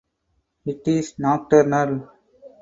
It is nocturnal.